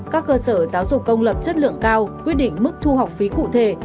các cơ sở giáo dục công lập chất lượng cao quyết định mức thu học phí cụ thể